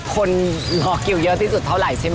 คนรอคิวเยอะที่สุดเท่าไหร่ใช่ไหม